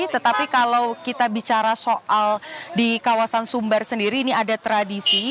tetapi kalau kita bicara soal di kawasan sumbar sendiri ini ada tradisi